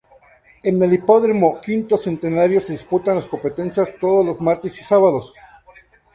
En el Hipódromo V Centenario se disputan las competencias todos los martes y sábados.